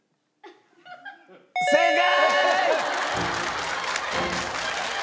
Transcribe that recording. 正解！